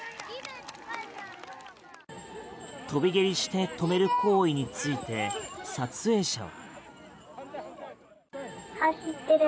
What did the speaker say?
飛び蹴りして止める行為について撮影者は。